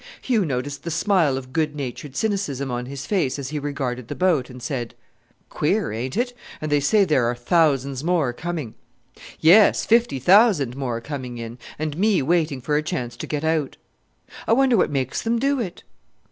Hugh noticed the smile of good natured cynicism on his face as he regarded the boat, and said, "Queer, ain't it? And they say there are thousands more coming." "Yes, fifty thousand more coming in and me waiting for a chance to get out!" "I wonder what makes them do it?"